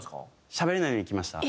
しゃべれないのに行きました。